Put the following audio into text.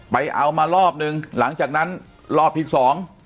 ไปเอามารอบนึงหลังจากนั้นรอบที่สอง